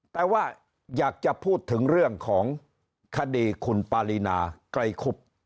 แต่ว่าอยากจะพูดถึงเรื่องของคดีคุณปารีนาไกรคุบ